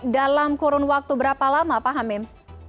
dalam kurun waktu berapa lama pak hamim